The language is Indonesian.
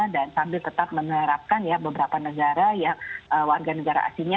dan sambil tetap menerapkan ya beberapa negara yang warga negara aslinya